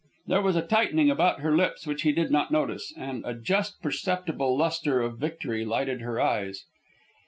There was a tightening about her lips which he did not notice, and a just perceptible lustre of victory lighted her eyes.